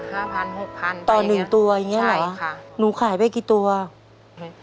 ต่อ๑ตัวอย่างนี้เหรอหนูขายไปกี่ตัวใช่ค่ะ